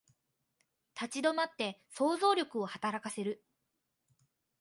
立ち止まって想像力を働かせる